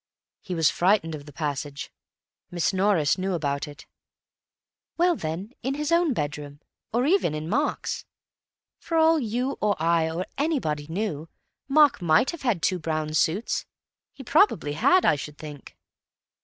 "He was frightened of the passage. Miss Norris knew about it." "Well, then, in his own bedroom, or even, in Mark's. For all you or I or anybody knew, Mark might have had two brown suits. He probably had, I should think."